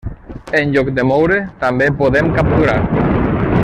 En lloc de moure, també podem capturar.